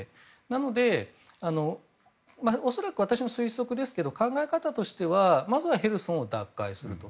なので、恐らく私の推測ですけど考え方としてはまずはヘルソンを奪還すると。